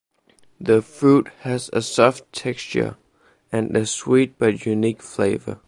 The fruit has a soft texture and a sweet but unique flavor.